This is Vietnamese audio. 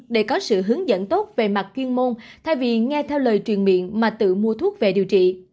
để có sự hướng dẫn tốt về mặt chuyên môn thay vì nghe theo lời truyền miệng mà tự mua thuốc về điều trị